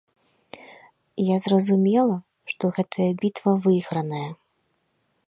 Я зразумела, што гэтая бітва выйграная.